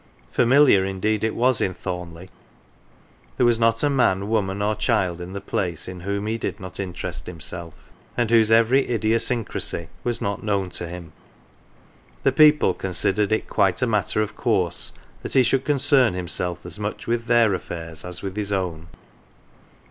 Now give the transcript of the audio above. Familiar indeed it was in Thornleigh ; there was not a man, woman, or child in the place in whom he did not interest himself, and whose every idiosyncrasy was not known to him. The people considered it quite a matter of course that he should concern himself as much with their affairs as with his own.